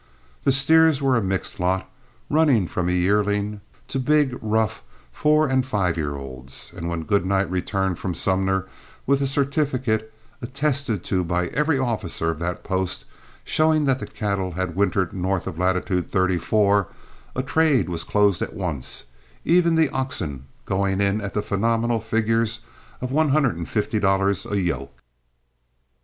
The steers were a mixed lot, running from a yearling to big, rough four and five year olds, and when Goodnight returned from Sumner with a certificate, attested to by every officer of that post, showing that the cattle had wintered north of latitude 34, a trade was closed at once, even the oxen going in at the phenomenal figures of one hundred and fifty dollars a yoke.